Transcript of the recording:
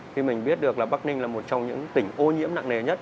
khi mình biết được là bắc ninh là một trong những tỉnh ô nhiễm nặng nề nhất